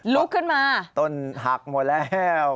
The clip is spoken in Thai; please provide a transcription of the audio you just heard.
ลุกขึ้นมาต้นหักหมดแล้ว